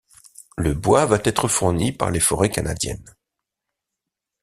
Le bois va être fourni par les forêts canadiennes.